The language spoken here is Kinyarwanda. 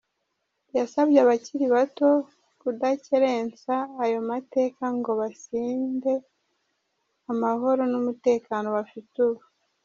Yasabye abakiri bato kudakerensa ayo mateka, ngo basinde amahoro n’umutekano bafite ubu.